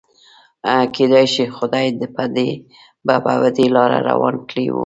کيدای شي خدای به په دې لاره روان کړي يو.